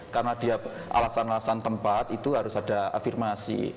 karena dia alasan alasan tempat itu harus ada afirmasi